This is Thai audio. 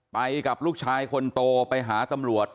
ไปกับลูกชายคนโตไปหาตำรวจ